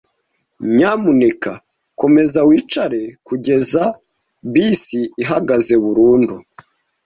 Nyamuneka komeza wicare kugeza bisi ihagaze burundu.